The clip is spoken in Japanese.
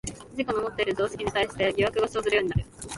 自己のもっている常識に対して疑惑が生ずるようになる。